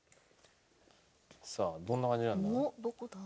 さあどんな感じなんだ？